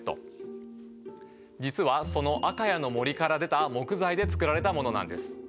実はその赤谷の森から出た木材で作られたものなんです。